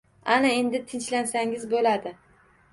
Ana endi tinchlansangiz bo’ladi